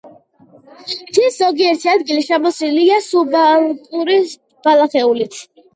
მთის ზოგიერთი ადგილი შემოსილია სუბალპური ბალახეულით.